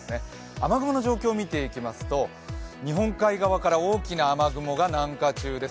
雨雲の状況を見ていきますと日本海側から大きな雨雲が南下中です。